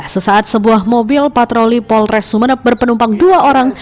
sesaat sebuah mobil patroli polres sumeneb berpenumpang dua orang